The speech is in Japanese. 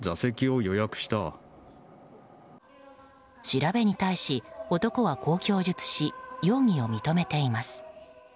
調べに対し、男はこう供述し容疑を認めています。